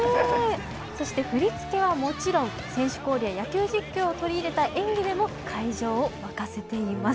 そして、振り付けはもちろん選手コールや野球実況を取り入れた会場を沸かせています。